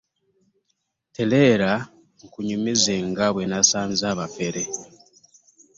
Teleera nkunyumize nga bwenasanze abafere .